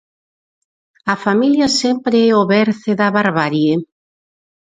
A familia sempre é o berce da barbarie?